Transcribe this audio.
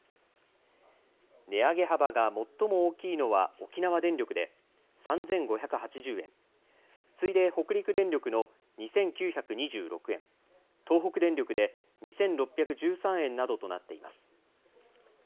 値上げ幅が最も大きいのは沖縄電力で３５８０円、次いで北陸電力の２９２６円、東北電力で２６１３円などとなっています。